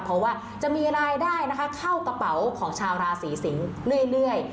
เพราะว่าจะมีรายได้นะคะเข้ากระเป๋าของชาวราศีสิงศ์เรื่อย